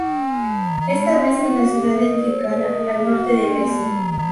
Esta vez en la ciudad de Trikala, al norte de Grecia.